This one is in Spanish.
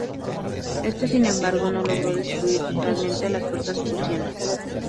Este, sin embargo, no logró destruir totalmente a las fuerzas prusianas.